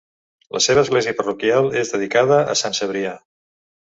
La seva església parroquial és dedicada a Sant Cebrià.